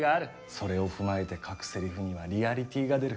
それを踏まえて書くセリフには「リアリティ」が出る。